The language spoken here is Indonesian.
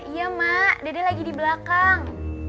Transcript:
iya mak dede lagi di belakang